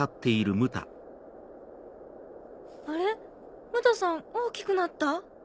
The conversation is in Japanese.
ムタさん大きくなった？